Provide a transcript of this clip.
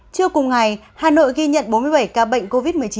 trước cùng ngày hà nội ghi nhận bốn mươi bảy ca bệnh covid một mươi chín